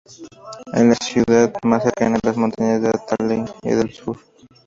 Es la ciudad más cercana a las montañas de Altái en el sur.